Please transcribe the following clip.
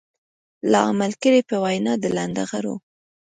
لا عمل کړي په وينا د لنډغرو.